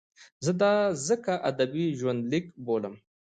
زه دا ځکه ادبي ژوندلیک بولم.